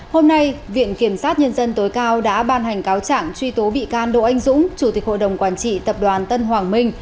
hôm nay viện kiểm sát nhân dân tối cao đã ban hành cáo trạng truy tố bị can đỗ anh dũng chủ tịch hội đồng quản trị tập đoàn tân hoàng minh